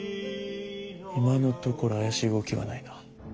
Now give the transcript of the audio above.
今のところ怪しい動きはないな。